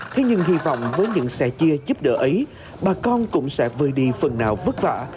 thế nhưng hy vọng với những sẻ chia giúp đỡ ấy bà con cũng sẽ vơi đi phần nào vất vả